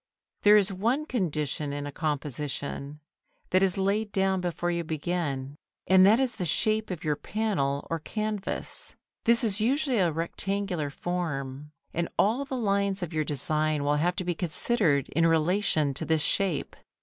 There is one condition in a composition, that is laid down before you begin, and that is the shape of your panel or canvas. This is usually a rectangular form, and all the lines of your design will have to be considered in relation to this shape.